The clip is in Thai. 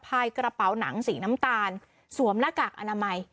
กระเป๋าหนังสีน้ำตาลสวมหน้ากากอนามัย